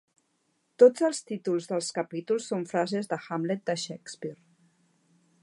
Tots els títols dels capítols són frases de 'Hamlet' de Shakespeare.